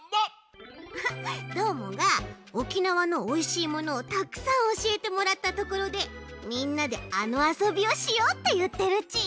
どーもが沖縄のおいしいものをたくさんおしえてもらったところでみんなであのあそびをしようっていってるち。